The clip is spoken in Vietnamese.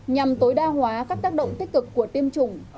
nhằm tối đa hóa các tác động tích cực của tiêm chủng